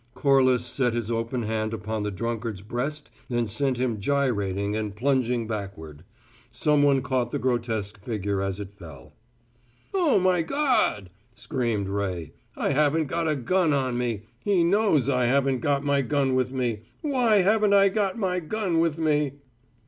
Corliss set his open hand upon the drunkard's breast and sent him gyrating and plunging backward. Some one caught the grotesque figure as it fell. "Oh, my God," screamed Ray, "I haven't got a gun on me! He knows I haven't got my gun with me! Why haven't I got my gun with me?"